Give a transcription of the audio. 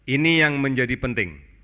ini yang menjadi penting